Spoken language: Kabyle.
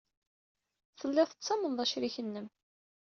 Telliḍ tettamneḍ acrik-nnem.